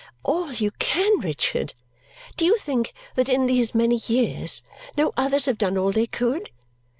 "All you can, Richard! Do you think that in these many years no others have done all they could?